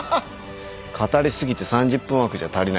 語りすぎて３０分枠じゃ足りないですね。